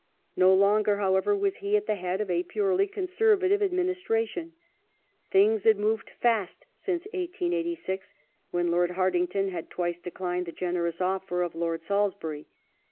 No longer, however, was he at the MhliSry, head of a purely Conservative Administration. Things had moved 1895 1905 fast since 1886 when Lord Hartington had twice declined the generous offer of Lord Salisbury.